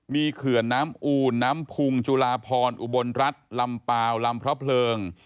มีเขื่อนน้ำอูนน้ำพุงจุลาพรอุบลรัฐลำเปล่าลำพระเพลิง